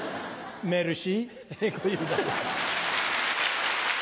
メルシー小遊三です。